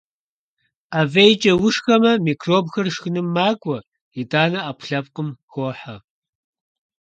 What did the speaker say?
Ӏэ фӀейкӀэ ушхэмэ, микробхэр шхыным макӀуэ, итӀанэ Ӏэпкълъэпкъми хохьэ.